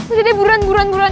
udah deh buruan buruan buruan